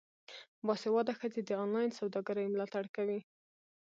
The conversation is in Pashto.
باسواده ښځې د انلاین سوداګرۍ ملاتړ کوي.